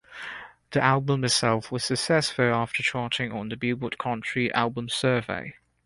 The album itself was successful after charting on the "Billboard" country albums survey.